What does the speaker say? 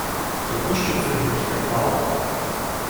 Тому що цих грошей мало.